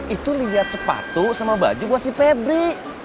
itu liat sepatu sama baju gue si febri